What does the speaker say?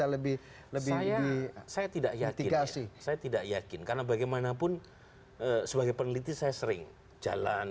lebih lebih saya tidak yakin saya tidak yakin karena bagaimanapun sebagai peneliti saya sering jalan